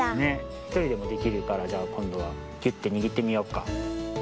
ひとりでもできるからじゃあこんどはぎゅってにぎってみよっか。